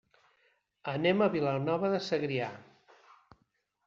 Anem a Vilanova de Segrià.